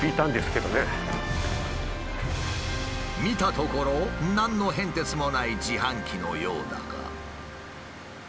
見たところ何の変哲もない自販機のようだが。